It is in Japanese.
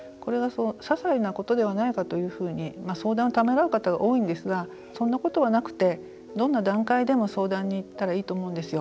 ささいなことではないかと相談をためらう方が多いんですがそんなことはなくてどんな段階でも相談に行ったらいいと思うんですよ。